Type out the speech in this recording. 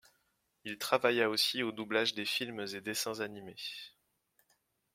Il travailla aussi au doublage des films et dessins animés.